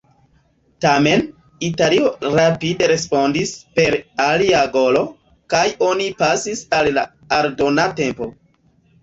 Tamen, Italio rapide respondis per alia golo, kaj oni pasis al la aldona tempo.